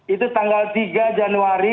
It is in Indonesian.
itu tanggal tiga januari